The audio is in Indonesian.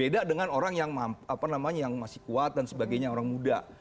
dan orang yang masih kuat dan sebagainya orang muda